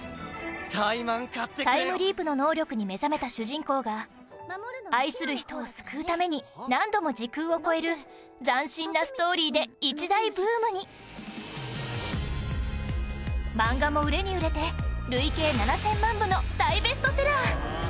タイムリープの能力に目覚めた主人公が愛する人を救うために何度も時空を超える斬新なストーリーで一大ブームに漫画も売れに売れて累計７０００万部の大ベストセラー